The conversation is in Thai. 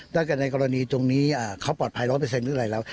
ถ้าเกิดในกรณีตรงนี้เขาปลอดภัย๑๐๐หรืออะไรแล้ว